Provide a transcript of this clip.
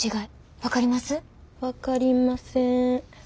分かりません。